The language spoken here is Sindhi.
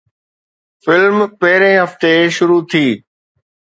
فلم پهرين هفتي شروع ٿي